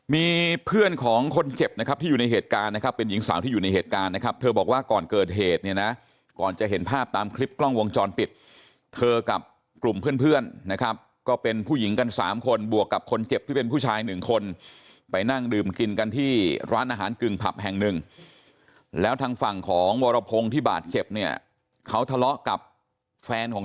มีเพื่อนของคนเจ็บนะครับที่อยู่ในเหตุการณ์นะครับเป็นหญิงสาวที่อยู่ในเหตุการณ์นะครับเธอบอกว่าก่อนเกิดเหตุเนี่ยนะก่อนจะเห็นภาพตามคลิปกล้องวงจรปิดเธอกับกลุ่มเพื่อนเพื่อนนะครับก็เป็นผู้หญิงกันสามคนบวกกับคนเจ็บที่เป็นผู้ชายหนึ่งคนไปนั่งดื่มกินกันที่ร้านอาหารกึ่งผับแห่งหนึ่งแล้วทางฝั่งของวรพงศ์ที่บาดเจ็บเนี่ยเขาทะเลาะกับแฟนของ